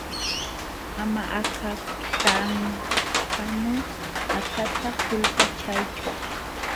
Ama akatanqanu akata kulpachiychu.